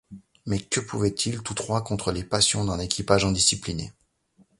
Mais que pouvaient-ils tous trois contre les passions d’un équipage indiscipliné